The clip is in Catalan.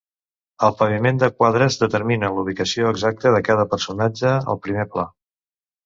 El paviment de quadres, determina la ubicació exacta de cada personatge al primer pla.